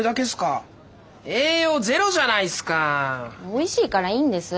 おいしいからいいんです。